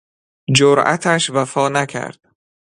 جرأتش وفانکرد